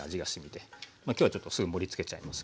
今日はちょっとすぐ盛りつけちゃいますけれども。